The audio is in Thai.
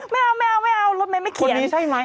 ไม่เอารถแม่ไม่เขียน